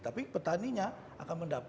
tapi petaninya akan melihat